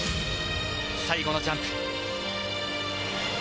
最後のジャンプ。